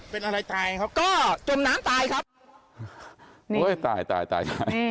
เป็นอะไรตายครับก็จมน้ำตายครับโอ้ยตายตายตายตาย